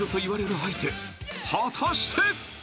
［果たして？］